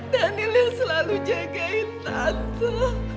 daniel yang selalu jagain tante